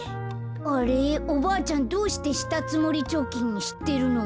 あれっおばあちゃんどうしてしたつもりちょきんしってるの？